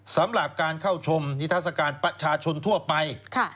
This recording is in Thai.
สำหรับการเข้าชมนิทัศกาลประชาชนทั่วไป